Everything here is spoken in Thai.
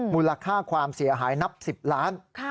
มูลค่าความเสียหายนับ๑๐ล้าน